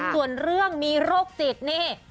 ส่วนเรื่องมีโรคจิตนี่